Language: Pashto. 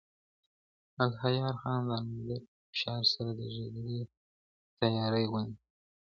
الهيار خان د نادرافشار سره د جګړې تيارۍ ونيولې.